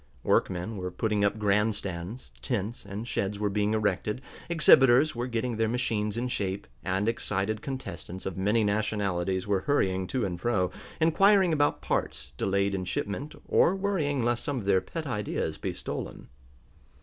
Workmen were putting up grand stands, tents and sheds were being erected, exhibitors were getting their machines in shape, and excited contestants of many nationalities were hurrying to and fro, inquiring about parts delayed in shipment, or worrying lest some of their pet ideas be stolen.